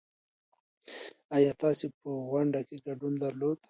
ايا تاسې په غونډه کې ګډون درلود؟